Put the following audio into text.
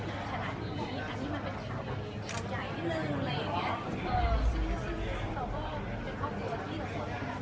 อันนี้มันเป็นข่าวใหญ่ขับใจนิดหนึ่งเลยเนี่ยซึ่งเราก็จะทำแบบนี้นะครับ